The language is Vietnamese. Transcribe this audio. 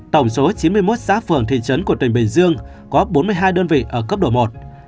tổng số chín mươi một xã phường thị trấn của tỉnh bình dương có bốn mươi hai đơn vị ở cấp độ một